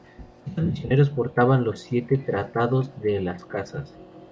Estos misioneros portaban los Siete Tratados de Las Casas.